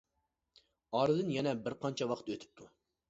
ئارىدىن يەنە بىر قانچە ۋاقىت ئۆتۈپتۇ.